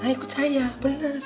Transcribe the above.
nah ikut saya bener